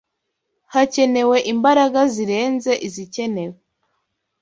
Hakenewe imbaraga zirenze izikenewe